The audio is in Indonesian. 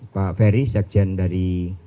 pak ferry sekjen dari